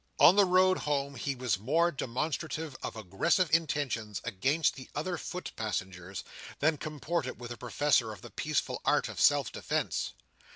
On the road home, he was more demonstrative of aggressive intentions against the other foot passengers, than comported with a professor of the peaceful art of self defence.